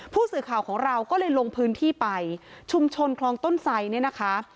ผู้สื่อข่าวของเราก็เลยลงพื้นที่ไปชุมชนคลองต้นไสเนี่ยนะคะ